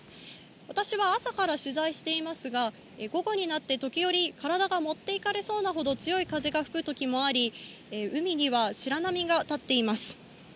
私は朝から取材していますが、午後になって時折、体が持っていかれそうなほど強い風が吹くときもあり、海には白波が立っています。